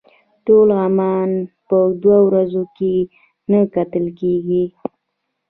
ټول عمان په دوه ورځو کې نه کتل کېږي.